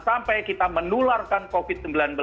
sampai kita menularkan covid sembilan belas